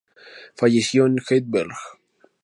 Falleció en Heidelberg.